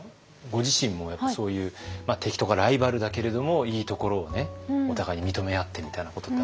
ご自身もやっぱりそういう敵とかライバルだけれどもいいところをねお互いに認め合ってみたいなことってありますか？